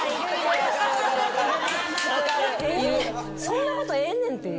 そんなことええねんって。